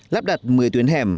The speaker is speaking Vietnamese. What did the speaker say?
lắp đặt một mươi tuyến hẻm